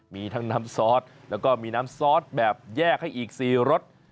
มีทั้งน้ำซอสแล้วก็มีน้ำซอสแบบแยกให้อีก๔รส